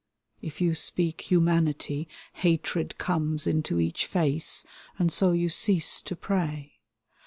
If you speak humanity. Hatred comes into each face, and so you cease to pray.